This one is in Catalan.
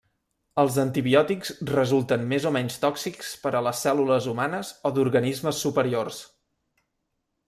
Els antibiòtics resulten més o menys tòxics per a les cèl·lules humanes o d'organismes superiors.